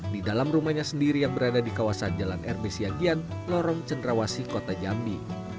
di dalam rumahnya sendiri yang berada di kawasan jalan rb siagian lorong cendrawasi kota jambi